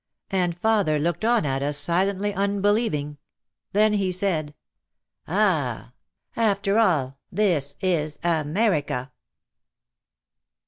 And father looked on at us silently unbelieving; then he said, "Ah ! After all this is America."